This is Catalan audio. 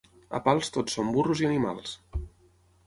A Pals tots són burros i animals.